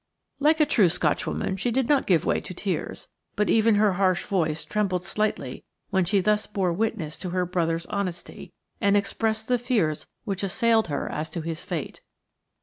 Like a true Scotchwoman she did not give way to tears, but even her harsh voice trembled slightly when she thus bore witness to her brother's honesty, and expressed the fears which assailed her as to his fate.